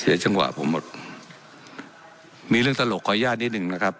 จังหวะผมหมดมีเรื่องตลกขออนุญาตนิดหนึ่งนะครับ